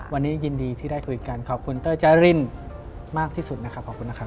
วันนี้ยินดีที่ได้คุยกันขอบคุณเต้ยจารินมากที่สุดนะครับขอบคุณนะครับ